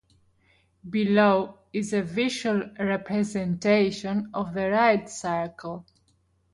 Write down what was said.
"Below is a visual representation of the ride cycle:"